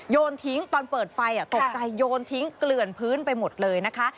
โยนทิ้งตอนเปิดไฟตกใจโยนทิ้งเกลื่อนพื้นไปหมดเลยนะคะ